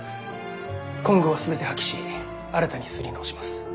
今号は全て破棄し新たに刷り直します。